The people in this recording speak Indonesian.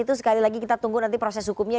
itu sekali lagi kita tunggu nanti proses hukumnya